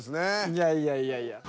いやいやいやいや。